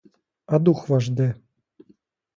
А дух ваш де?